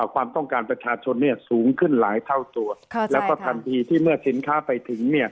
ความต้องการประชาชนสูงขึ้นหลายเท่าตัวแล้วก็ทันทีที่เมื่อสินค้าไปถึง